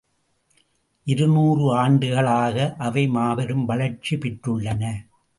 இருநூறு ஆண்டுகளாக அவை மாபெரும் வளர்ச்சி பெற்றுள்ளன.